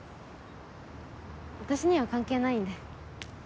私には関係ないんで。